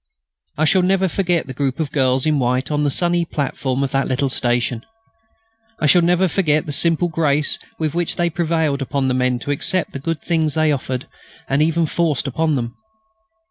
I shall never forget the group of girls in white on the sunny platform of the little station; I shall never forget the simple grace with which they prevailed upon the men to accept the good things they offered and even forced upon them.